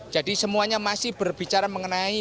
jadi semuanya masih berbicara mengenai